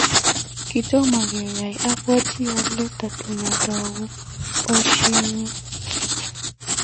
Kitom kai apwat ale tatun atau poisyennyu